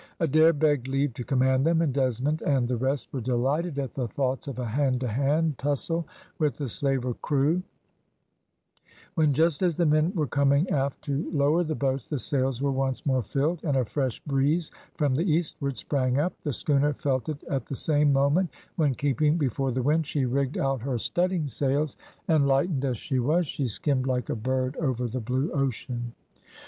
Adair begged leave to command them, and Desmond and the rest were delighted at the thoughts of a hand to hand tussle with the slaver screw; when, just as the men were coming aft to lower the boats, the sails were once more filled and a fresh breeze from the eastward sprang up, the schooner felt it at the same moment, when, keeping before the wind she rigged out her studding sails, and lightened as she was, she skimmed like a bird over the blue ocean.